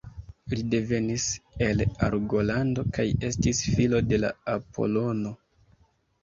Li devenis el Argolando kaj estis filo de Apolono.